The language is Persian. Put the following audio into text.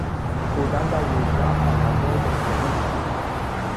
بودن در ییلاق تنوع دلپذیری بود.